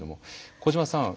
小島さん